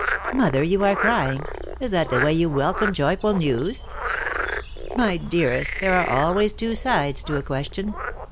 ■/ "Mother, you are crying! Is that the way you welcome joyful news?" "My dearest, there are always two sides to a question.